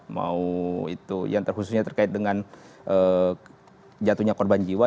mau itu yang terkhususnya terkait dengan jatuhnya korban jiwa